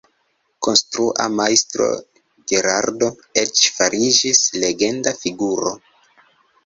Konstrua Majstro Gerardo eĉ fariĝis legenda figuro.